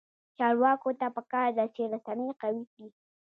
چارواکو ته پکار ده چې، رسنۍ قوي کړي.